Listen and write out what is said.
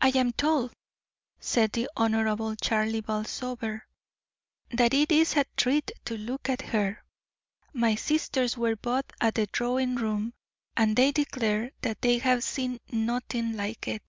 "I am told," said the Honorable Charlie Balsover, "that it is a treat to look at her. My sisters were both at the drawing room, and they declare that they have seen nothing like it."